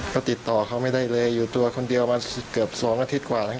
ก็ติดต่อเขาไม่ได้เลยอยู่ตัวคนเดียวมาเกือบ๒อาทิตย์กว่าแล้ว